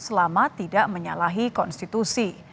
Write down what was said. selama tidak menyalahi konstitusi